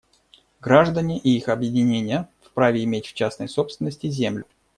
Граждане и их объединения вправе иметь в частной собственности землю.